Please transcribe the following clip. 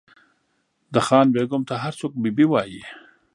د خان بېګم ته هر څوک بي بي وایي.